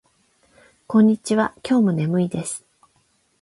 こんにちは。今日も眠いです。